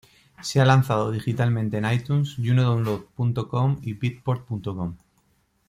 Se ha lanzado digitalmente en "iTunes", "junodownload.com" y "Beatport.com".